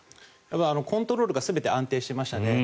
コントロールがすごく安定していましたね。